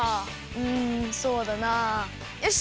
うんそうだなよし！